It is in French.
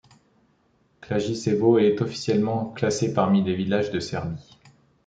Kljajićevo est officiellement classé parmi les villages de Serbie.